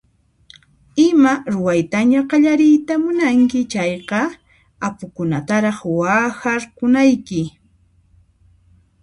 Ima ruwaytaña qallariyta munanki chayqa apukunataraq waqharkunayki.